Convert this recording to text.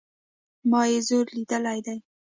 ما ئې زور ليدلى دئ